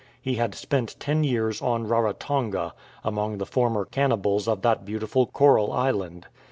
He had spent ten years on Rarotonga, among the former cannibals of that beautiful coral island.